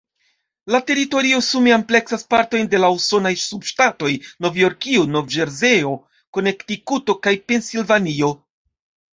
La teritorio sume ampleksas partojn de la usonaj subŝtatoj Novjorkio, Nov-Ĵerzejo, Konektikuto kaj Pensilvanio.